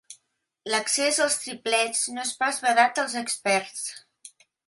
L'accés als triplets no és pas vedat als experts.